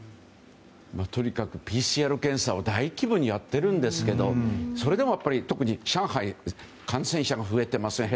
とにかくＰＣＲ検査を大規模にやっているんですけどそれでも特に上海感染者が増えていますね。